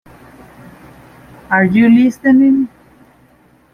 Are you listening?